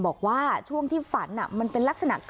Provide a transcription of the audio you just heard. บอกว่าช่วงที่ฝันมันเป็นลักษณะ